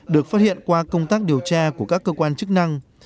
được phát hiện qua công tác điều tra của các cơ quan chức năng